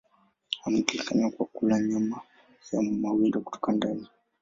Wanajulikana kwa kula nyama ya mawindo kutoka ndani.